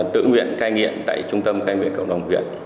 tự nguyện cai nghiện tại trung tâm cai nghiện cộng đồng huyện